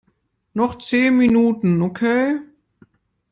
Noch zehn Minuten, okay?